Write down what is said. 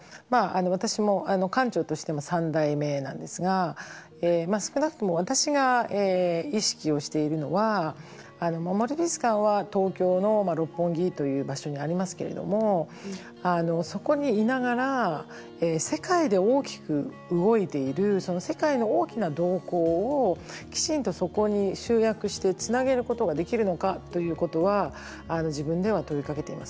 私も館長としても３代目なんですが少なくとも私が意識をしているのは森美術館は東京の六本木という場所にありますけれどもそこにいながら世界で大きく動いている世界の大きな動向をきちんとそこに集約してつなげることができるのかということは自分では問いかけています。